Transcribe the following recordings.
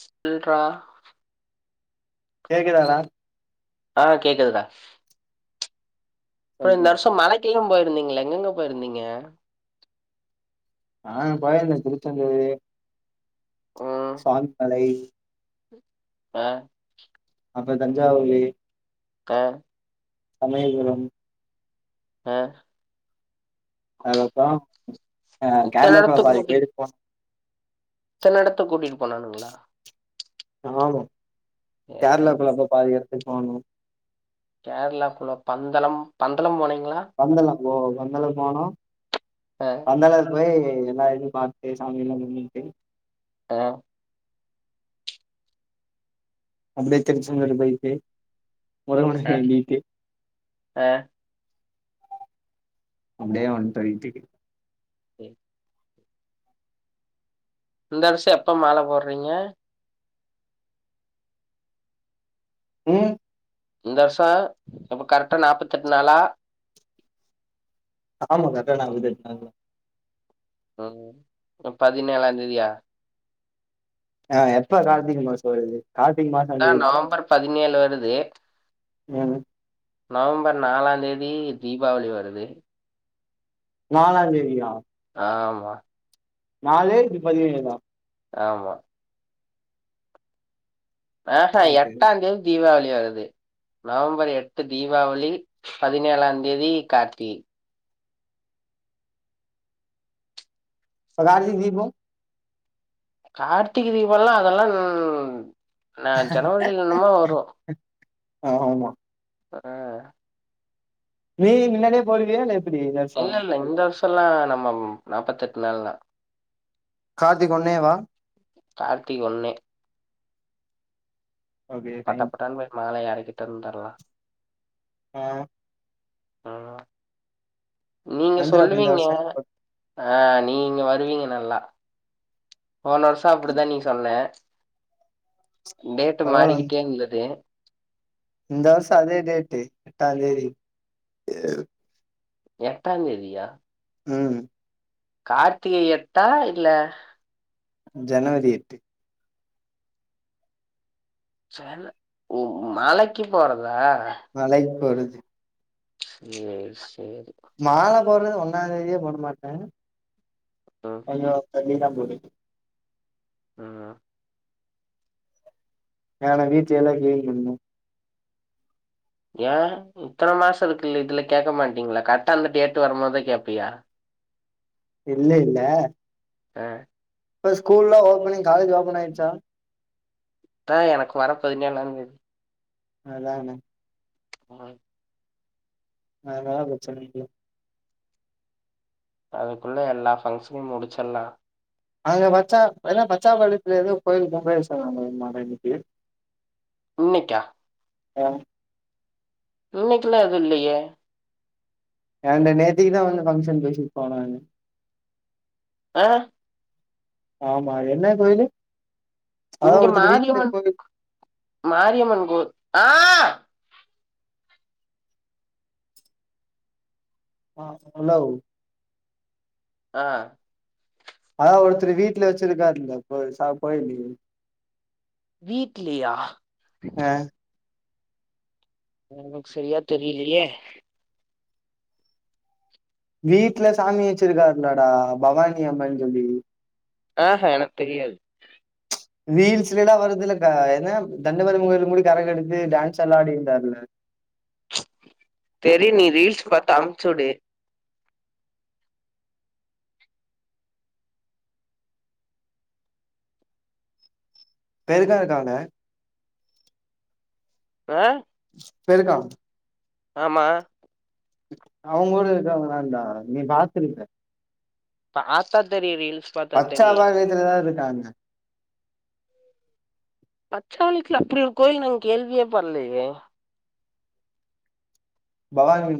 செல்றா கேக்குதாடா ஆ கேக்குதுடா அப்பறோ இந்த சொல்றா வருஷோ மழக்கெல்லா போயிருந்தீங்களே எங்கங்க போயிருந்தீங்க நா போயிருந்தே திருச்செந்துரு ம் சுவாமிமலை ஆ அப்ப தஞ்சாவூரி கா சமையபுரம் ஆ அதுக்கப்பறோ ஆ இத்தன கேரலா குள்ள எடத்துக்கு பாதி கூட்டிட் பேருக்கு போ இத்தன எடத்துக் கூட்டிட்டு போனானுங்களா ஆமா சேரி கேரளாக்குள்ள அப்ப பாதி எடுத்துக்கோன்னு கேரளாக்குள்ள பந்தளம் பந்தளம் போனிங்களா பந்தளம் போ பந்தளம் போனோ ஆ பந்தாளத்துக் போயி எல்லா எடத்தயு பாத்துட்டு சாமியெல்லா கும்புட்டு ட அப்டியே திருச்செந்தூர் போயிட்டு முருகன வேண்டிட்டு அ அப்டியே வன்டோ வீட்டுக்கு சேரி இந்த வருஷோ எப்ப மால போட்றீங்க ம் இந்த வருஷோ இப்போ கரெக்ட்டா நாபத்தெட்டு நாளா ஆமா கரெக்ட்டா நப்பத்தெட்டு நாள் தா ம் பதினேழாந்தேதியா ஆ எப்ப கார்த்திக மாசோ வருது கார்த்திக மாசோ ஆ நவம்பர் பதினேழு வருது ம் நவம்பர் நாலாந் தேதி தீபாவளி வருது நாலாந் தேதியா ஆமா நாலு இது பதினேழா ஆமா ஆ ஹா ஓகே. எட்டாந் தேதி தீபாவளி வருது நவம்பர் எட்டு தீபாவளி பதினேழாம் தேதி கார்த்திகை அப்ப கார்த்திக தீபம் கார்த்திக தீபோல்லா அதெல்லா நா ஜனவரில எனமே வரு ஆமா ஆ நீயி முன்னாடியே போயிடுவியா இல்ல எப் இல்ல இல்ல இந்த வருஷோல்லா நம்ம நாப்பெத்தெட்டு நாள் தா கார்த்திக ஒன்னேவா கார்த்திக ஒன்னே ஓகே ஃபைன் பட்டப்பட்டட்டன்னு போயி மேல ஏறக்கிட்டு வந்துறலா ஏ ம் நீங்க வந்துரு அப்ப இந்த சொல்லுவீங்க வருஷோ ஆ நீ இங்க வருவீங்க நல்லா போன வருஷோ அப்டிதா நீ சொன்ன டேட் பரவால்ல வந்து மாறிக்கிட்டே இருந்தது இந்த வருஷோ அதே டேட்டு எட்டாந் தேதி எட்டாந் தேதியா ம் கார்த்திகை எட்டா இல்ல ஜனவரி எட்டு ஜன ஓ மாலக்கு போறதா மலைக்கு போறது சேர் சேரி மால போர்றது ஒன்னாந் தேதியே போட மாட்டே ம் கொஞ்சோ தள்ளிதா போடுவ ம் நான வீட்ட எல்லா கிளீன் பண்ணு ஏ இத்தன மாச இருக்குல்ல இதுலா கேக்க மாட்டீங்ளா கரெட்டா அந்த டேட்டு வரும்மோதா கேப்பியா இல்லெல்ல அ இப்ப ஸ்கூல்ல ஓப்பனிங் காலேஜ்லா ஓப்பன் ஆயிருச்சா? ஆ எனக்கு வர பதினேழாந் தேதி அதான [unintelligible] அதுனால ப்ரச்சன இல்ல அதுக்குள்ள எல்லா ஃபங்ஸனை முடிச்சர்லா அங்க பச்சா எல்லா பச்சாம்பாளயத்துல எதோ கோயிலு [unintelligible] இன்னக்கி இன்னைக்கா ஆ இன்னைக்குல்லா எதுல்லயே ஏன்ட நேத்திக்குதா வந்து ஃபங்ஷன் பேசிட் போனாங்க ஆ ஆமா என்ன கோயிலு அதா இங்க ஒருத்தர் வீட்ல மாரியம்மன் கோயில் மாரியம்மன் கோ ஆ ஆ ஹலவ் ஆ அதா ஒருத்தர் வீட்ல வச்சிருக்காருல்ல போய் சா கோயிலி வீட்லியா ஆ எனக் செரியா தெரிலியே வீட்ல சாமி வச்சுருக்காருல்லடா பவானி அம்மன் சொல்லி ஆஹ எனக் தெரியாது ரீல்ஸ்லைலா வருதுல்ல க என்ன தண்டுமாரியம்மன் கோயில் முடியு கரக எடுத்து டான்ஸ் எல்லா ஆடிருந்தாருல தெரி நீ ரீல்ஸ் பாத்து அம்ச்சுடு பெருக்கா இருக்காங்க அ பெருக்கா ஆமா அவுங்களோட இருக்காங்களான்டா நீ பாத்துருக்க பாத்தா தெரியு ரீல்ஸ் பாத்தா தெரியு பச்சாபாளயத்துலதா இருக்காங்க பச்சாளயத்துல அப்டி ஒரு கோயில் நாங்க கேள்வியே பட்லயே பவானி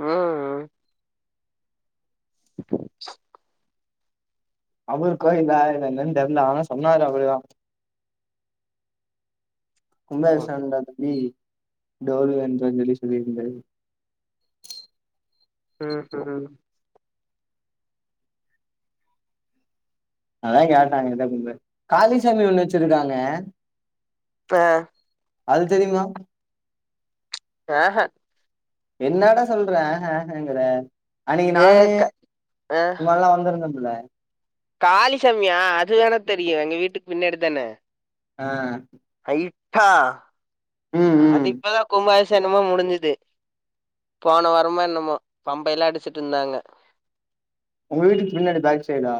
ம் அவர் கோயிலா இல்ல என்னன் தெர்ல ஆனா சொன்னாரு அப்டி தா ம் கும்பாவிசேகன்டா தம்பி [unintelligible] சொல்லி சொல்லிட்ருந்தாரு ம் சேரி அதல்லா [unintelligible] காளிசாமி ஒண்ணு வெச்சிருக்காங்க ப்ப அது தெரியுமா ஆ ஹ என்னடா சொல்றே ஆஹ ஆஹங்கற அன்னைக்கி ஏ நானு க இவ எல்லா வந்துருந்தோம்ல காளி சாமியா அது வேனா தெரியு எங்க வீட்டுக் பின்னாடி தான ஆ ஹய்ட்டா ம் ம் அது இப்பதா கும்பாபிசேகம்ல முடிஞ்சுது போன வாரமா என்னமோ பம்பயெல்லா அடிச்சுட்ருந்தாங்க உங்க வீட்டுக்கு பின்னாடி பேக் சைடா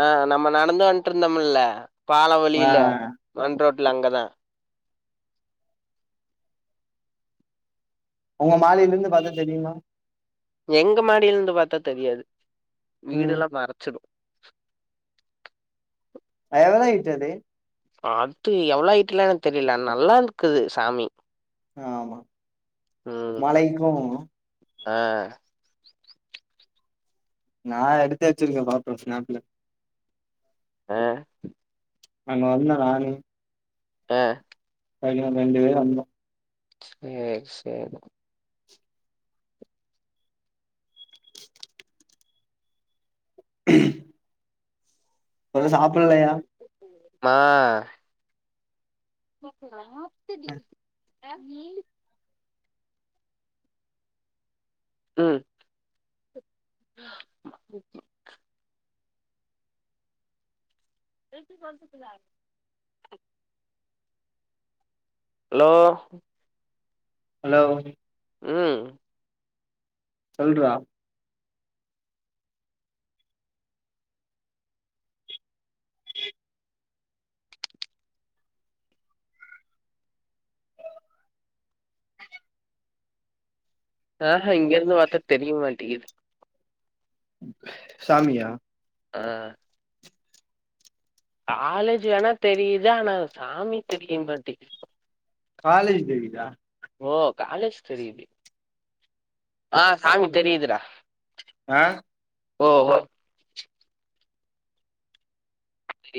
ஆ நம்ம நடந்து வன்ட்ருந்தம்ல்ல பாலோ ஆ வழியில மண் ரோட்ல அங்க தா உங்க மாடில இருந்து பாத்தா தெரியுமா எங்க மாடில இருந்து பாத்தா தெரியாது ம் வீடெல்லா மறச்சுரு அதனால தா இட்சது அது எவ்ளோ ஐட்டுல தெரில ஆனா நல்லாருந்துக்குது சாமி ஆமா ம் மாலைக்கு ஆ நாலு எடுத்து வெச்சுருக்க பாப்போ ஸ்நாப்புல ஆ அங்க வந்த நானு ஆ பைக்கில ரெண்டு பேரு வந்தோ சேரி சேரி ம் ஆ [inaudible] ம் [unintelligible] ஹலோ ஹலோ ம் சொல்றா ஆ ஹ இங்க இருந்து பாத்தா தெரியமட்டிகுது சாமியா ஆ காலேஜ் வேணா தெரியுது ஆனா சாமி தெரிய மாட்டிகுது காலேஜ் தெரிதா ஓ காலேஜ் தெரயுது ஆ சாமி தெரியுது டா ஆ ஓ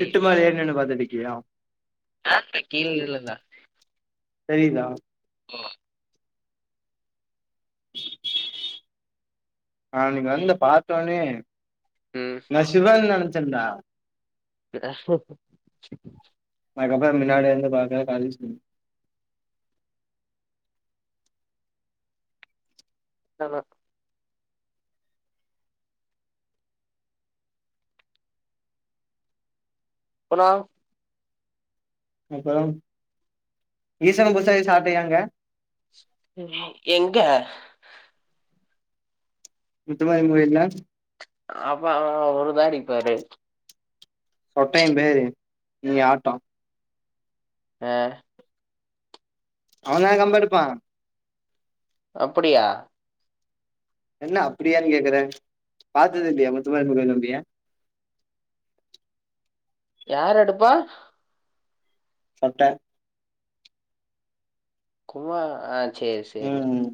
திட்டு மேல ஏரி நின்னு பாத்துட்ருக்கியா ஆப்ப கீழ இழுங்க தெரியிதா ஓ ஆ அன்னைக்கு வந்து பாத்தோனே ம் நா சிவான் நெனச்சன்டா ரஸ்வொக் அதுக்கப்ற மின்னாடிலந்து பாக்க கால் இன்ச் பின் ஆமா சொல்றா அப்பறம் ஈசனல் புதுசாகி சார்ட்டயாங்க ம் எங்க முத்துமாரி அம்மன் கோயில்க்ங்ளா அப்பா ஒருபேடிப்பாரு சொட்டையம்பேரு நீ ஆட்டோ ஆ அவன்தா கம்பெடுப்பா அப்படியா என்ன அப்பிடியான் கேக்குற பாத்ததில்லியா முத்துமாரியம்மன் கோயிலான்டய யாரெடுப்பா சாப்ட்ட குமா ஆ சேரி சேரி ம்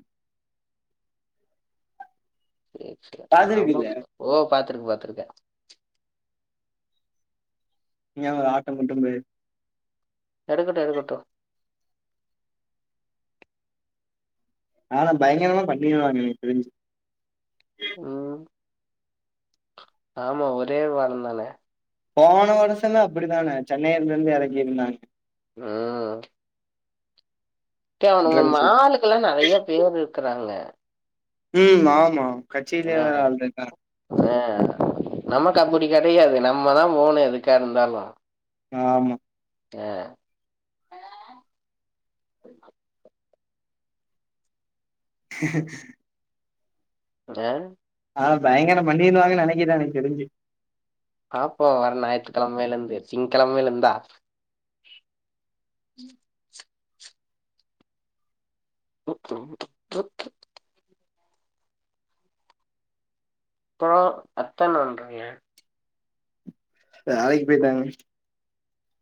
சேரி சேரி ந நம்ம பாத்துருக்குல்ல ஓ பாத்ருக்க பாத்ருக்க இங்கயே ஆட்டொ போட்டு பொய்ரு எடுக்கட்டு எடுக்கட்டு ஆனா பயங்கரமா பண்ணிடுவாங்க எனக்கு தெரிஞ்சு ம் ஆமா ஒரே வாரந்தானே போன வருஷமே அப்பிடித்தானே சென்னையிலருந்து இறங்கியிருந்தாங்க ஆ கே அவனுங்க ட்ரம்ஸு மாலுக்கலா நறைய பேர் இருக்கறாங்க ம் ஆமா கட்சியில ஆ, ஆள்ருக்காங்க ஆ நமக்கு அப்படி கடையாது நம்மதா போனு எதுக்கா இருந்தாலு ஆமா ஆ [inaudible] ட ஆனா பயங்கர பண்ணிருவாங்க நெனைக்கிற எனக்கு தெரிஞ்சு பாப்போ வர ஞாயிற்றுக்கெழமைலர்ந்து திங்கெழமையிலர்ந்தா ம் ம் [inaudible] அப்பறொ அத்த என்ன வன்றாங்க வேலைக் போய்ட்டாங்க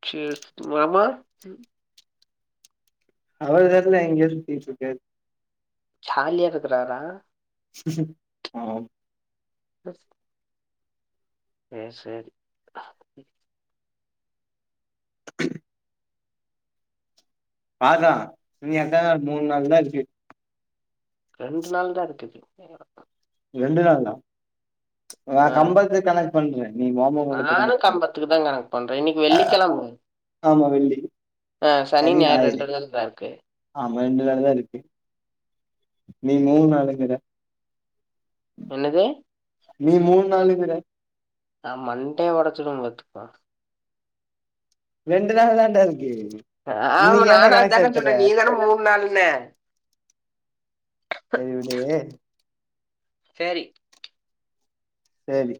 சேர் உங்கம்மா அவ இங்கிட் தா எங்கியா சுத்திட்டுருக்கு ஜாலியா இருக்குறாரா ஆம் பஸ் சேர் சேரி [inaudible] பாத்தா இன்னு எத்தன் நாள் இர்க் மூண் நாள் தா இருக்கு ரெண்டு நாள் தா இருக்குது ரெண்டு நாள் தா அ ஆ சம்பள்த்து கணக் பண்ற நீ வாங்காம விட்ட கணக் நானும் பண்ணு கம்பத்துக்கு தான் கணக்கு பண்றேன் இன்னைக்கு வெள்ளிக்கிழமை ஆமா வெள்ளி ஆ சனி ஞாயர் ரெண்டு நாள் தா இருக்கு ஆமா ரெண்டு நாள் தா இருக்கு நீ மூண் நாளுங்கிற என்னது நீ மூண் நாளுங்கிற ந மண்டைய ஒடச்சிடுவ பாத்துக்கோ ரெண்டு நாள் தான்டா இருக்கு அ ஆமா இன்னைக்கு ஏன்டா நானு கணக்கு அதான சேத்துற சொன்னே நீதான மூண் நாளுன்ன செரி விடு சேரி சேரி